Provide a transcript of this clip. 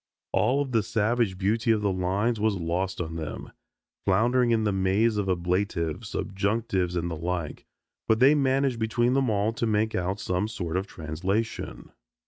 All of the savage beauty of the lines was lost on them, floundering in the maze of ablatives, subjunctives and the like. But they managed between them all to make out some sort of translation.